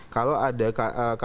kalau ada kpk sedang mengusutkan